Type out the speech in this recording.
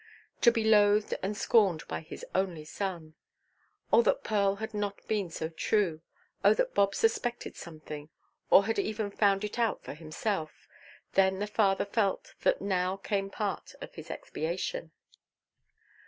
To be loathed and scorned by his only son! Oh that Pearl had not been so true; oh that Bob suspected something, or had even found it out for himself! Then the father felt that now came part of his expiation.